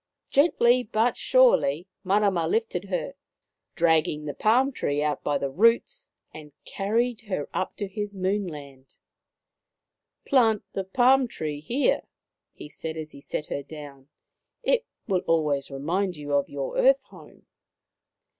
Gently but surely Marama lifted her, dragging the palm tree out by the roots, and carried her up to his Moon land. *42 Maoriland Fairy Tales " Plant the palm tree here," he said as he set her down. " It will always remind you of your earth home."